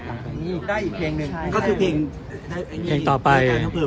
ได้อีกเพลงนึงก็คือเพลงต่อไปไม่ได้